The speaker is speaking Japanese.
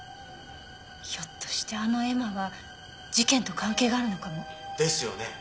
ひょっとしてあの絵馬は事件と関係があるのかも。ですよね。